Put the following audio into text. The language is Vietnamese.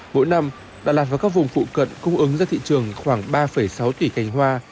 mỗi năm đà lạt và các vùng phụ cận cung ứng ra thị trường khoảng ba sáu tỷ cành hoa